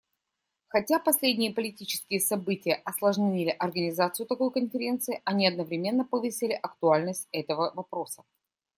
Хотя последние политические события осложнили организацию такой конференции, они одновременно повысили актуальность этого вопроса.